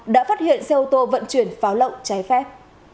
đã phát hiện xe ô tô vận chuyển pháo lậu trái phép